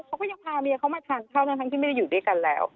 เขาก็ยังพาเมียเขามาทานข้าวทั้งที่ไม่ได้อยู่ด้วยกันแล้ว